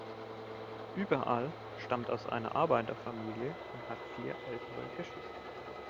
Überall stammt aus einer Arbeiterfamilie und hat vier ältere Geschwister.